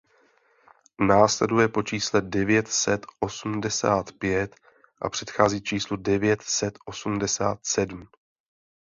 Následuje po čísle devět set osmdesát pět a předchází číslu devět set osmdesát sedm.